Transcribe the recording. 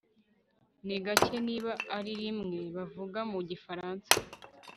ni gake, niba ari rimwe, bavuga mu gifaransa